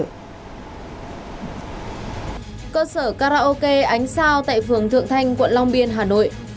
cơ sở karaoke ánh sao tại phường thượng thanh quận long biên hà nội